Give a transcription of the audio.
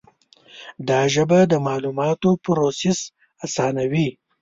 دا ژبه د معلوماتو پروسس آسانوي.